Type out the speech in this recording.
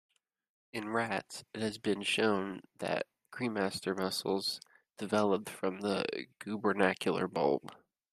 In rats, it has been shown that cremaster muscles developed from the gubernacular bulb.